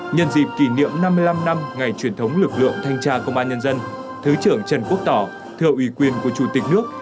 nhân dịp kỷ niệm năm mươi năm năm ngày truyền thống lực lượng thanh tra công an nhân dân thứ trưởng trần quốc tỏ thưa ủy quyền của chủ tịch nước